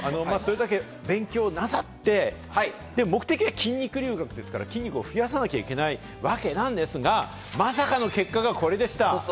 勉強をなさって、目的は筋肉留学ですから、筋肉を増やさなきゃいけないわけですが、まさかの結果がこれでした。